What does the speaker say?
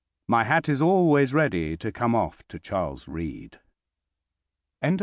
My hat is always ready to come off to Charles Reade. VII.